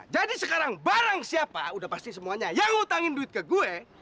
jadi sekarang barang siapa udah pasti semuanya yang ngutangin duit ke gue